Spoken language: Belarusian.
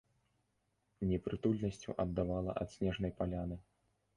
Непрытульнасцю аддавала ад снежнай паляны.